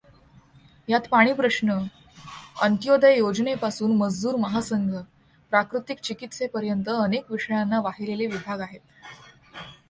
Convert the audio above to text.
यात पाणी प्रश्न, अंत्योदय योजनेपासून, मजदूर महासंघ, प्राकृतिक चिकित्सेपर्यंत अनेक विषयांना वाहिलेले विभाग आहेत.